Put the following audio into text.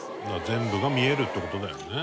「全部が見えるって事だよね」